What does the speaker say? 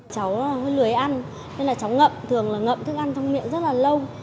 cháu hơi lười ăn nên là cháu ngậm thường là ngậm thức ăn trong miệng rất là lâu